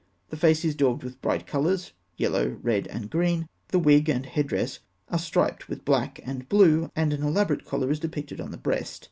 The face is daubed with bright colours, yellow, red, and green; the wig and headdress are striped with black and blue, and an elaborate collar is depicted on the breast.